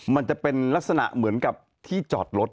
มันจะเป็นลักษณะเหมือนกับที่จอดรถ